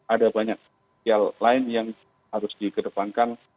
ada banyak hal lain yang harus dikedepankan